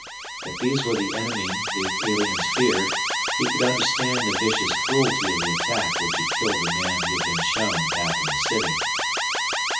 If these were the enemy the aliens feared, he could understand the vicious cruelty of the attack which had killed the man he had been shown back in the city.